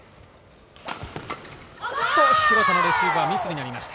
廣田のレシーブはミスになりました。